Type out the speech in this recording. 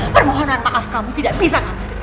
permohonan maaf kamu tidak bisa kamu